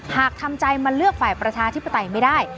หากทำใจมาเลือกฝ่ายประชาธิปไตยไม่ได้